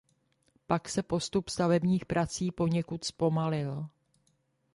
Pak se postup stavebních prací poněkud zpomalil.